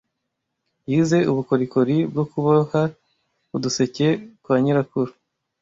Yize ubukorikori bwo kuboha uduseke kwa nyirakuru.